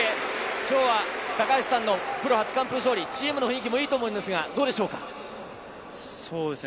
今日は高橋さんのプロ初完封勝利、チームの雰囲気もいいと思いますが、どうですか？